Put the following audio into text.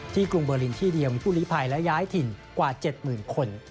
ที่กรุงเบอร์ลินที่เดียวมีผู้ลิภัยและย้ายถิ่นกว่าเจ็ดหมื่นคน